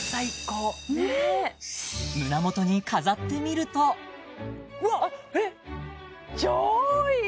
胸元に飾ってみるとうわっえっ超いい！